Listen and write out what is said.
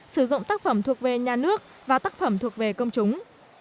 sử dụng tác phẩm thuộc về nhà nước và tác phẩm thuộc về công chúng